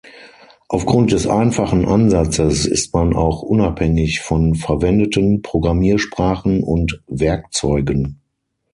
Auf Grund des einfachen Ansatzes ist man auch unabhängig von verwendeten Programmiersprachen und -werkzeugen.